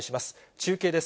中継です。